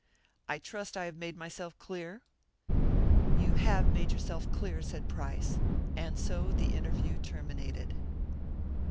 I trust I have made myself clear?" "You have made yourself clear," said Price; and so the interview terminated.